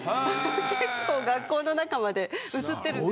結構学校の中まで映ってるんですよ。